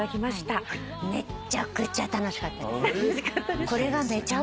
これがめちゃくちゃ楽しかったです。